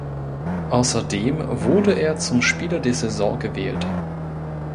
Außerdem wurde er zum Spieler der Saison gewählt.